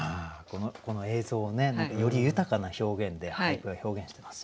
この映像をねより豊かな表現で俳句が表現してますよね。